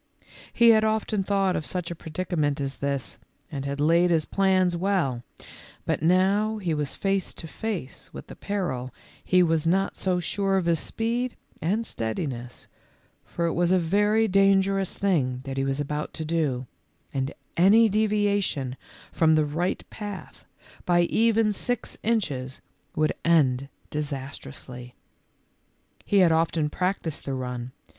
He had often thought of such a predicament as this and had laid his plans well, but now he was face to face with the peril he was not so sure of his speed and steadiness, for it was a very dangerous thing that he was about to do, and any deviation from the right path by even six inches would end disastrously. He had often practised the run.